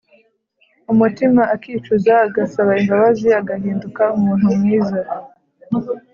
umutima akicuza, agasaba imbabazi, agahinduka umuntu mwiza.